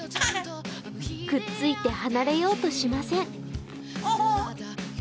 くっついて離れようとしません。